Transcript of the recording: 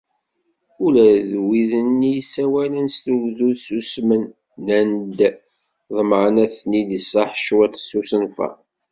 Ula d wid-nni i issawalen s tugdut ssusmen, nnan-d ḍemɛen ad ten-id iṣaḥ cwiṭ seg usenfar.